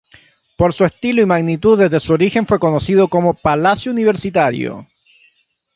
Por su estilo y magnitud desde su origen fue conocido como "Palacio Universitario".